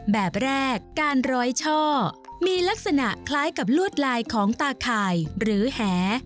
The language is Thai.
แบบแรกการร้อยช่อมีลักษณะคล้ายกับลวดลายของตาข่ายหรือแห